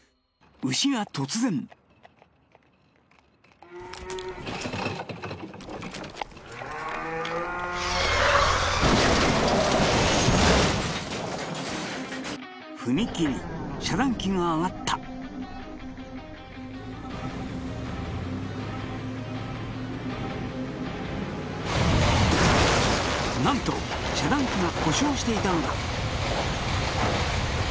牛が突然踏切遮断機が上がった何と遮断機が故障していたのだ